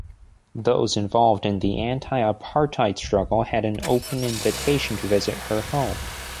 Those involved in the anti-apartheid struggle had an open invitation to visit her home.